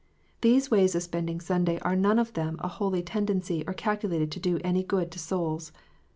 These ways of spending Sunday are none of them of a holy tendency, or calculated to do any good to souls.